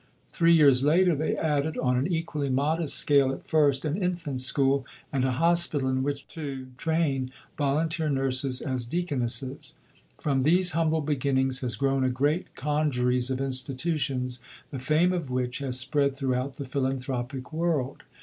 Three years later, they added, on an equally modest scale at first, an Infant School, and a Hospital in which to train volunteer nurses as deaconesses. From these humble beginnings has grown a great congeries of institutions, the fame of which has spread throughout the philanthropic world.